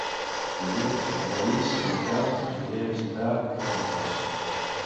Dilluns na Thaís i en Telm aniré a visitar mon oncle.